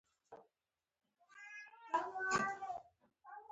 په باغ کې د ګلونو رنګونه ډېر ښکلي دي.